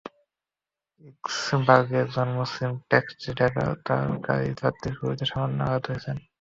পিটসবার্গে একজন মুসলিম taxi driver তারই গাড়ির যাত্রীর গুলিতে সামান্য আহত হয়েছেন।